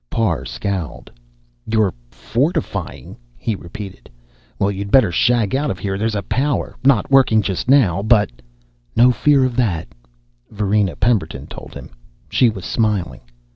Parr scowled. "You're fortifying?" he repeated. "Well, you'd better shag out of here. There's a power not working just now, but " "No fear of that," Varina Pemberton told him. She was smiling.